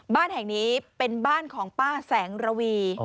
บ้านแห่งนี้เป็นบ้านของป้าแสงระวี